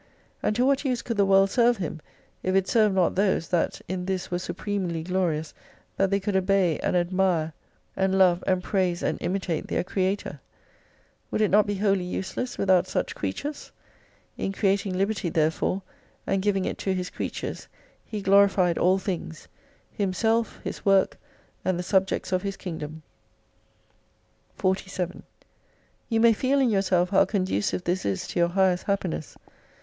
And to what use could the world serve Him, if it served not those, that in this were supremely glorious that they could obey and admire and love and 270 praise and imitate their Creator ? Would it not be wholly useless without such creatures ? In creating liberty therefore and giving it to His creatures He glorified all things : Himself, His work, and the subjects of His Kingdom. 47 You may feel in yourself how conducive this is to your highest happiness.